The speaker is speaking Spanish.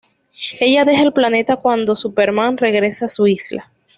Ella Deja el planeta cuando Superman regresa a su isla.